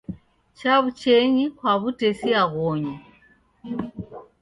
Chaw'uchaenyi kwa w'utesia ghonyu.